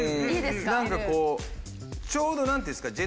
なんかこうちょうどなんていうんですか？